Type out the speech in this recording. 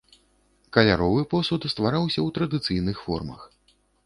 Каляровы посуд ствараўся ў традыцыйных формах.